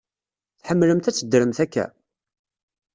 Tḥemmlemt ad teddremt akka?